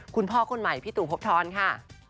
คนใหม่พี่ตู่พบทรค่ะ